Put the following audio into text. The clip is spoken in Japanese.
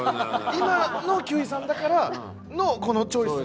今の休井さんだからのこのチョイスにしてるんで。